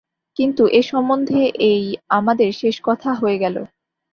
কিন্তু এ সম্বন্ধে এই আমাদের শেষ কথা হয়ে গেল।